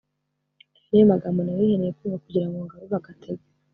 ayo ni yomagambo nari nkeneye kumva kugira ngo ngarure agatege .